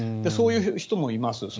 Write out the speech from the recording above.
そういう人もいます。